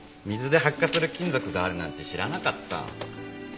水で発火する金属があるなんて知らなかった。